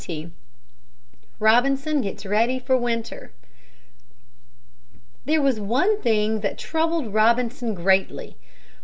XX ROBINSON GETS READY FOR WINTER There was one thing that troubled Robinson greatly.